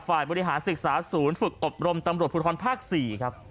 ฝ่ายบริหารศึกษาศูนย์ฝึกอบรมตำรวจภูทรภาค๔ครับ